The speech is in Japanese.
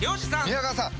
宮川さん